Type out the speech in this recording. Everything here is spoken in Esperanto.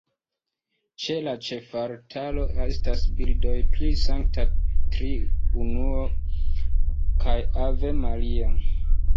Ĉe la ĉefaltaro estas bildoj pri Sankta Triunuo kaj Ave Maria.